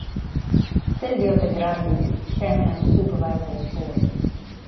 Silvio Pedrazzi, Chairman of the Supervisory Board.